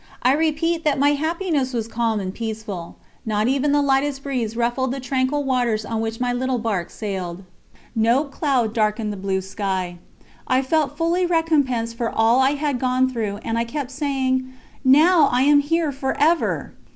I repeat that my happiness was calm and peaceful not even the lightest breeze ruffled the tranquil waters on which my little barque sailed; no cloud darkened the blue sky. I felt fully recompensed for all I had gone through, and I kept saying: "Now I am here for ever."